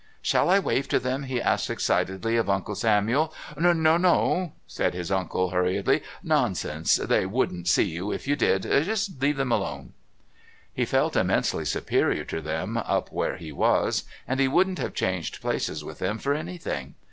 "Shall I wave to them?" he asked excitedly of Uncle Samuel. "No, no," said his uncle very hurriedly. "Nonsense. They wouldn't see you if you did. Leave them alone." He felt immensely superior to them up where he was, and he wouldn't have changed places with them for anything.